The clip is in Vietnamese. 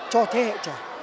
cho thế hệ trẻ